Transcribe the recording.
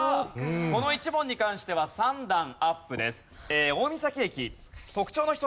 この１問に関しては３段アップです。